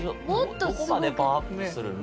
どこまでパワーアップするの？